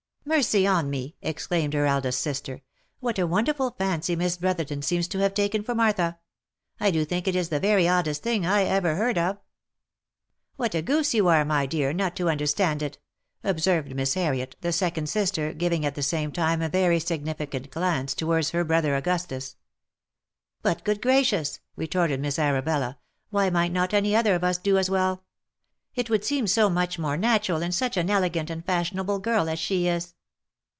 "Mercy on me!" exclaimed her eldest sister," what a wonderful fancy Miss Brotherton seems to have taken for Martha! I do think it is the very oddest thing I ever heard of." " What a goose you are, my dear, not to understand it !" observed Miss Harriet, the second sister, giving at the same time a very signifi cant glance towards her brother Augustus. OF MICHAEL ARMSTRONG. 225 " But good gracious !" retorted Miss Arabella, why might not any other of us do as well ? It would seem so much more natural in such an elegant and fashionable girl as she is."